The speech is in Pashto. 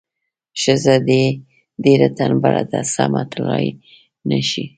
ښځه دې ډیره تنبله ده سمه تلای نه شي.